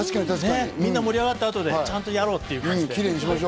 みんな盛り上がったあとでちゃんとやろうって感じで。